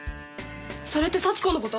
それって幸子のこと？